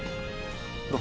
どう？